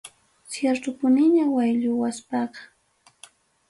Ciertopuniña waylluwaspaqa.